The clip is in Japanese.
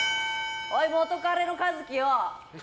おい、元カレのカズキよ！